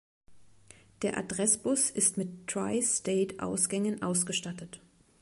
Der Adressbus ist mit Tri-State-Ausgängen ausgestattet.